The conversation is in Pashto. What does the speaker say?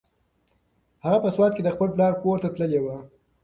هغه په سوات کې د خپل پلار کور ته تللې وه.